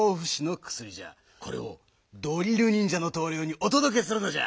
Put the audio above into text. これをドリルにんじゃのとうりょうにおとどけするのじゃ。